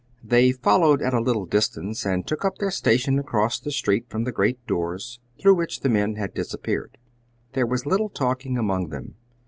They followed at a little distance and took up their station across the street from the great doors through which the men had disappeared. There was little talking among them.